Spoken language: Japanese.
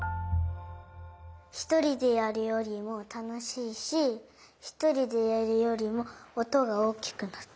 ひとりでやるよりもたのしいしひとりでやるよりもおとがおおきくなった。